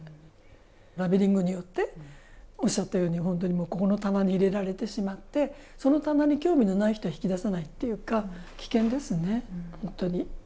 ラベリングによっておっしゃったように本当にこの棚に入れられてしまってその棚に興味のない人は引き出さないっていうか危険ですね、本当に。